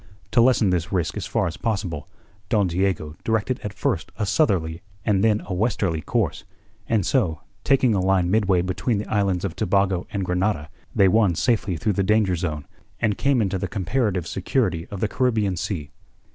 To lessen this risk as far as possible, Don Diego directed at first a southerly and then a westerly course; and so, taking a line midway between the islands of Tobago and Grenada, they won safely through the danger zone and came into the comparative security of the Caribbean Sea.